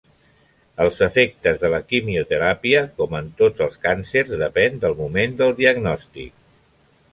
Els efectes de la quimioteràpia, com en tots els càncers, depèn del moment del diagnòstic.